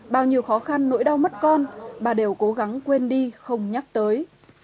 bao nhiêu khó khăn nỗi đau mất con bà đều cố gắng quên đi không nhắc tới